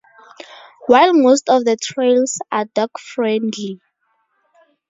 While most of the trails are dog-friendly.